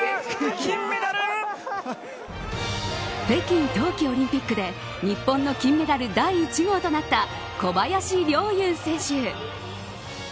北京冬季オリンピックで日本の金メダル第１号となった小林陵侑選手。